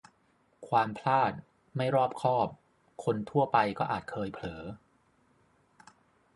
ความพลาด-ไม่รอบคอบ คนทั่วไปก็อาจเคยเผลอ